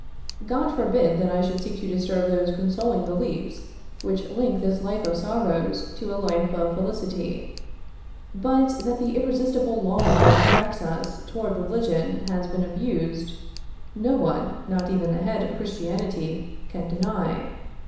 God forbid that I should seek to disturb those consoling beliefs which link this life of sorrows to a life of felicity. But, that the irresistible longing which attracts us toward religion has been abused, no one, not even the Head of Christianity, can deny.